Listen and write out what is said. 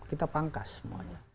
kita pangkas semuanya